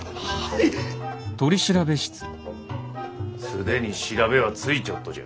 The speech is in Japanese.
既に調べはついちょっとじゃ。